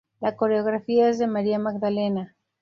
La coreografía es de Maria Magdalena.